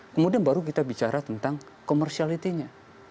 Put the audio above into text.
kemudian baru kita bicara tentang commerciality nya